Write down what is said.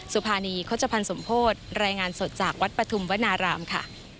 สุภานีโฆษภัณฑ์สมโพธิรายงานสดจากวัดปฐุมวนารามค่ะ